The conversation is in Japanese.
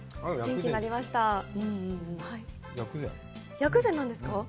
薬膳なんですか？